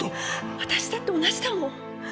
私だって同じだもん。